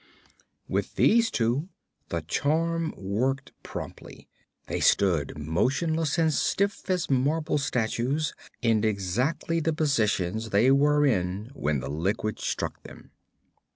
With these two the charm worked promptly. They stood motionless and stiff as marble statues, in exactly the positions they were in when the Liquid struck them.